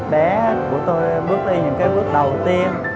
bé của tôi bước đi những cái bước đầu tiên